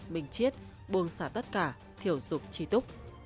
mình chiết buông xả tất cả thiểu dục trí túc